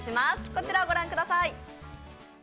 こちらをご覧ください！